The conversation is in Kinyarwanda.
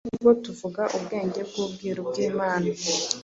Ahubwo tuvuga ubwenge bw’ubwiru bw’Imana